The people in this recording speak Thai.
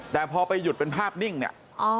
แต่พอไปหยุดเป็นภาพนิ่งเนี่ย